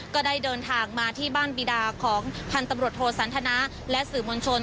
ก็ได้เดินทางมาที่บ้านบีดาของพันธุ์ตำรวจโทสันทนาและสื่อมวลชน